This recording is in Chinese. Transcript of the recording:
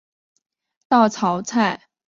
稻槎菜为菊科稻搓菜属的植物。